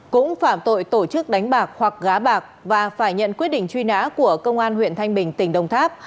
cũng phạm tội tổ chức đánh bạc hoặc gá bạc và phải nhận quyết định truy nã của công an huyện thanh bình tỉnh đồng tháp